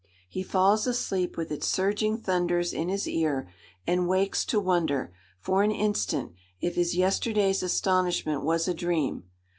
He falls asleep with its surging thunders in his ear, and wakes—to wonder, for an instant, if his yesterday's astonishment was a dream.